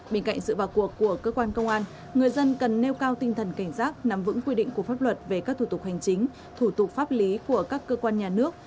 bên cạnh sự vào cuộc của cơ quan công an người dân cần nêu cao tinh thần cảnh giác nắm vững quy định của pháp luật về các thủ tục hành chính thủ tục pháp lý của các cơ quan nhà nước